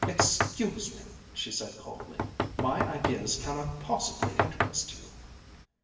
"Excuse me," she said coldly, "my ideas cannot possibly interest you."